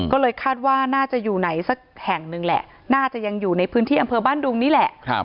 ก็เลยคาดว่าน่าจะอยู่ไหนสักแห่งหนึ่งแหละน่าจะยังอยู่ในพื้นที่อำเภอบ้านดุงนี่แหละ